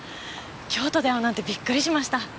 京都で会うなんてびっくりしました。